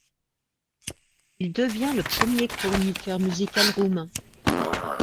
Il devint le premier chroniqueur musical roumain.